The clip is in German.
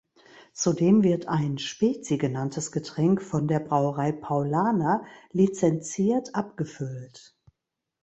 Zudem wird ein "Spezi" genanntes Getränk von der Brauerei Paulaner lizenziert abgefüllt.